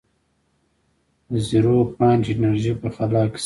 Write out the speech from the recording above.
د زیرو پاینټ انرژي په خلا کې شته.